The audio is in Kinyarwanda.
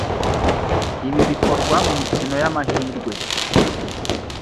ibi bikorwa mu mikino y’amahirwe,